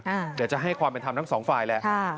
เดี๋ยวจะให้ความเป็นธรรมทั้งสองฝ่ายแหละ